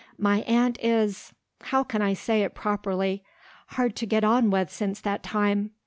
My aunt is how can I say it properly? hard to get on with since that time.